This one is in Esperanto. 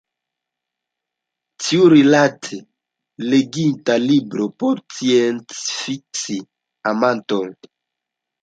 Ĉiurilate: leginda libro, por sciencfikci-amantoj.